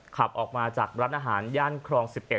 ขับออกมาจากร้านอาหารย่านครอง๑๑